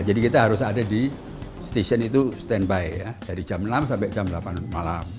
jadi kita harus ada di stesen itu standby dari jam enam sampai jam delapan malam